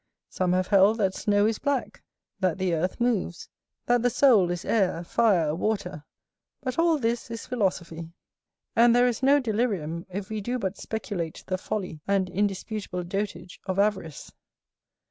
Some have held that snow is black, that the earth moves, that the soul is air, fire, water; but all this is philosophy: and there is no delirium, if we do but speculate the folly and indisputable dotage of avarice.